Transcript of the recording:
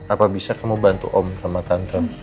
apa bisa kamu bantu om sama tante